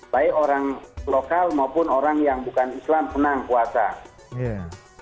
baik orang lokal maupun orang yang bukan islam senang puasa